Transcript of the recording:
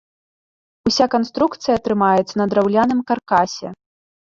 Уся канструкцыя трымаецца на драўляным каркасе.